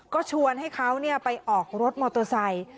ก็ชวนให้เขาไปออกรถมอเตอร์ไซค์